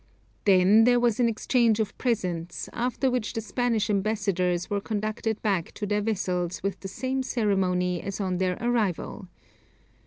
Then there was an exchange of presents, after which the Spanish Ambassadors were conducted back to their vessels with the same ceremony as on their arrival.